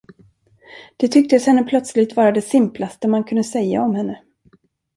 Det tycktes henne plötsligt vara det simplaste man kunde säga om henne.